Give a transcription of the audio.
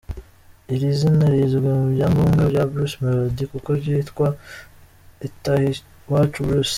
Iri zina rizwi mu byangombwa bya Bruce Melody kuko yitwa Itahiwacu Bruce.